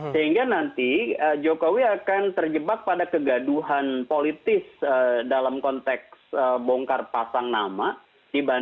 sehingga nanti jokowi akan terjebak pada kegaduhan politiknya